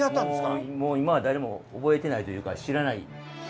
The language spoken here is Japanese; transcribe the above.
今はもう誰も覚えてないというか知らない。